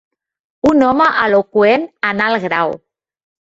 Un home eloqüent en alt grau.